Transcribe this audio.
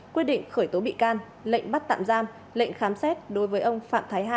quyết định khởi tố bị can lệnh bắt tạm giam lệnh khám xét đối với ông phạm thái hà